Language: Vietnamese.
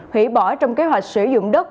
hủy bỏ trong kế hoạch sử dụng đất